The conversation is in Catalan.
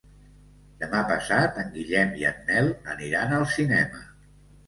Demà passat en Guillem i en Nel aniran al cinema.